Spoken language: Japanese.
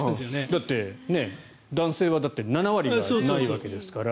だって、男性はだって７割がないわけですから。